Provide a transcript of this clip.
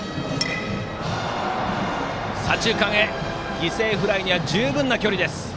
犠牲フライには十分な距離。